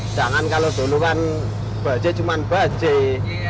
sedangkan kalau dulu kan bajai cuma bajai